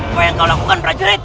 apa yang kau lakukan prajurit